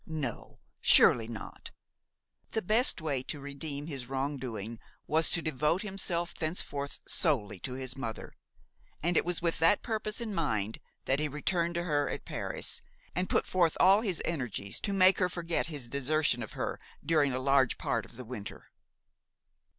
No, surely not. The best way to redeem his wrongdoing was to devote himself thenceforth solely to his mother, and it was with that purpose in mind that he returned to her at Paris, and put forth all his energies to make her forget his desertion of her during a large part of the winter.